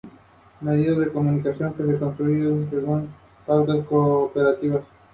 A nivel de negocios hay varios bares una panadería y una cooperativa.